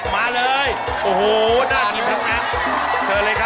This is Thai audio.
มาเลยโอ้โหน่ากลิ่นครับนัก